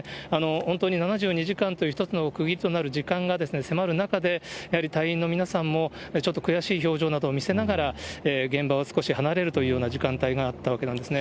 本当に７２時間という一つの区切りとなる時間が迫る中で、やはり隊員の皆さんも、ちょっと悔しい表情などを見せながら、現場を少し離れるというような時間帯があったわけなんですね。